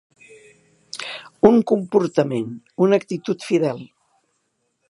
Un comportament, una actitud, fidel.